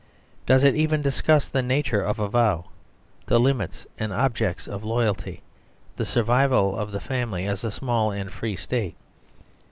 Does it even discuss the nature of a vow, the limits and objects of loyalty, the survival of the family as a small and free state?